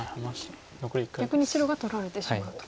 逆に白が取られてしまうと。